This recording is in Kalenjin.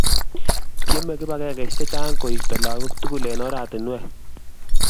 Tiemei kibagengeisiek che Chang koisto lagok tugul eng oratinwek